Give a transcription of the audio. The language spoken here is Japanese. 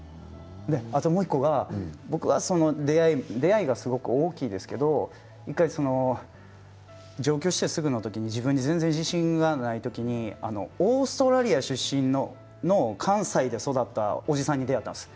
あともう１個は出会いがすごく大きいんですけれど１回上京してすぐの時に自分に全然自信がない時にオーストラリア出身の関西で育ったおじさんに出会ったんです。